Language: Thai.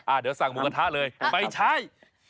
เดี๋ยวสั่งหมูกระทะเลยไม่ใช่